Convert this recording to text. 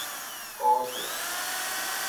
鼓亭